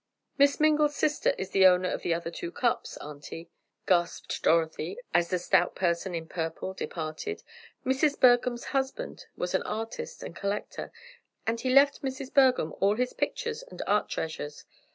"Miss Mingle's sister is the owner of the other two cups, Auntie," gasped Dorothy, as the stout person in purple departed. "Mrs. Bergham's husband was an artist and collector, and he left Mrs. Bergham all his pictures and art treasures.